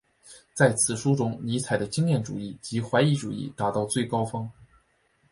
在此书中尼采的经验主义及怀疑主义达到最高峰。